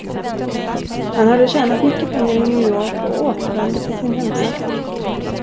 Han hade tjänat mycket pengar i New York och återvände till sin hemstad.